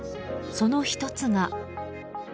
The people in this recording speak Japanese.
その１つが。